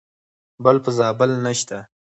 بل په زابل نشته .